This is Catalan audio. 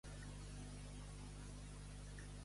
Quin tipus d'animal ha deixat anar McAllester a l'oceà?